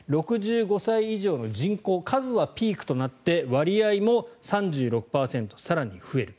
６５歳以上の人口数はピークとなって割合も３６％更に増える。